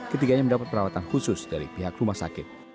ketiganya mendapat perawatan khusus dari pihak rumah sakit